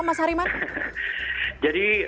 mas hariman jadi